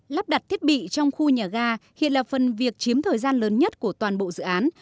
lắp đặt thiết bị trong khu nhà ga hiện là phần việc chiếm thời gian lớn nhất của toàn bộ dự án